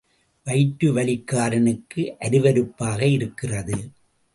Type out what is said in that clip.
வயிற்றுவலிக்காரனுக்கு அருவருப்பாக இருக்கிறது.